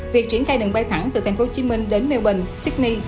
việc triển khai đường bay thẳng từ tp hcm đến melboyn sydney